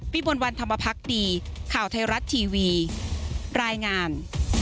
มวลวันธรรมพักดีข่าวไทยรัฐทีวีรายงาน